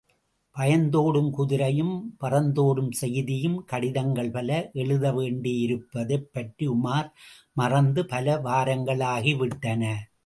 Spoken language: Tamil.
பாய்ந்தோடும் குதிரையும் பறந்தோடும் செய்தியும் கடிதங்கள் பல எழுதவேண்டியிருப்பதைப்பற்றி உமார் மறந்து பல வாரங்களாகிவிட்டன.